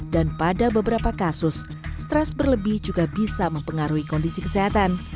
dan pada beberapa kasus stres berlebih juga bisa mempengaruhi kondisi kesehatan